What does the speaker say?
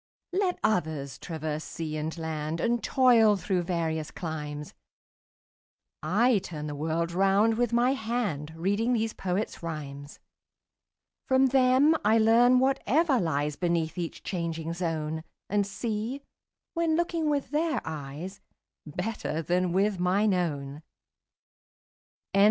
Let others traverse sea and land, And toil through various climes, 30 I turn the world round with my hand Reading these poets' rhymes. From them I learn whatever lies Beneath each changing zone, And see, when looking with their eyes, 35 Better than with mine own. H. W.